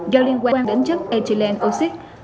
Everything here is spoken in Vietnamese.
do liên quan đến chất ethylenine oxide